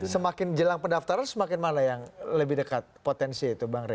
semakin jelang pendaftaran semakin mana yang lebih dekat potensi itu bang rey